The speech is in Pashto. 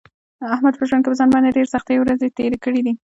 احمد په ژوند کې په ځان باندې ډېرې سختې ورځې تېرې کړې دي.